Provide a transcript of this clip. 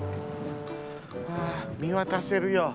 はぁ見渡せるよ。